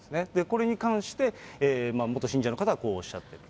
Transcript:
これに関して、元信者の方はこうおっしゃっている。